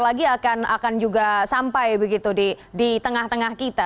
nanti akan sampai di tengah tengah kita